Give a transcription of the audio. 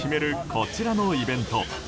こちらのイベント。